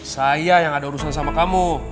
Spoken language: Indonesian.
saya yang ada urusan sama kamu